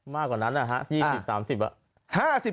มากกว่านั้นนะที่๒๐๓๐